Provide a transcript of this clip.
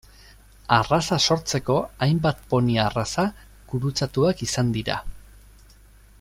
Arraza sortzeko hainbat poni arraza gurutzatuak izan dira.